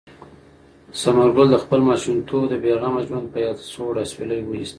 ثمر ګل د خپل ماشومتوب د بې غمه ژوند په یاد سوړ اسویلی وایست.